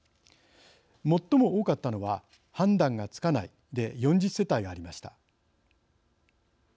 最も多かったのは判断がつかないで４０世帯ありました。